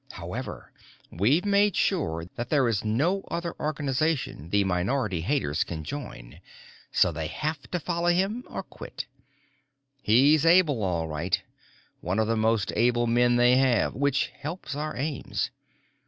However, we've made sure that there is no other organization the minority haters can join, so they have to follow him or quit. He's able, all right; one of the most able men they have, which helps our aims.